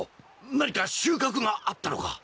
何か収穫があったのか？